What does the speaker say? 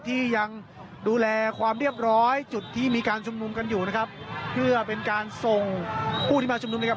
ที่ยังดูแลความเรียบร้อยจุดที่มีการชุมนุมกันอยู่นะครับเพื่อเป็นการส่งผู้ที่มาชุมนุมนะครับ